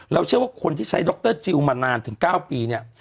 เชื่อว่าคนที่ใช้ดรจิลมานานถึง๙ปีเนี่ย